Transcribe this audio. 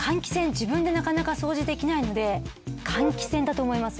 自分でなかなか掃除できないので換気扇だと思います。